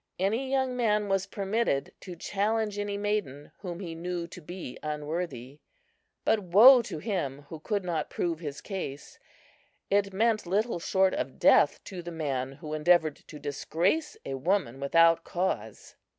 Any young man was permitted to challenge any maiden whom he knew to be unworthy. But woe to him who could not prove his case. It meant little short of death to the man who endeavored to disgrace a woman without cause.